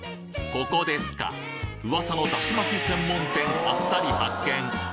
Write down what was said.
ここですか噂のだし巻き専門店あっさり発見